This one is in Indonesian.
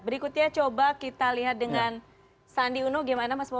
berikutnya coba kita lihat dengan sandi uno gimana mas bowo